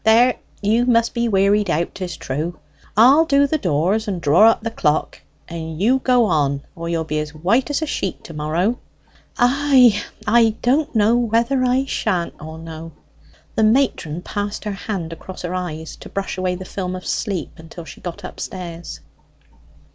There, you must be wearied out, 'tis true. I'll do the doors and draw up the clock; and you go on, or you'll be as white as a sheet to morrow." "Ay; I don't know whether I shan't or no." The matron passed her hand across her eyes to brush away the film of sleep till she got upstairs.